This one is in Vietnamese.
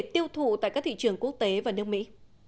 tại các thị trường quốc tế và nước mỹ